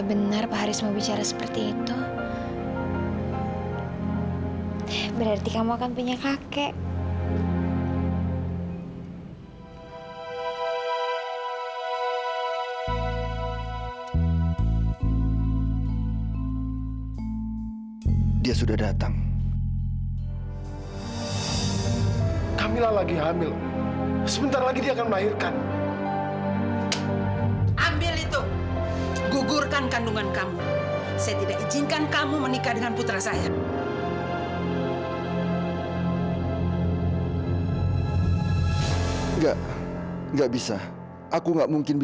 sampai jumpa di video selanjutnya